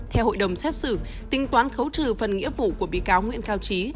theo hội đồng xét xử tính toán khấu trừ phần nghĩa vụ của bị cáo nguyễn cao trí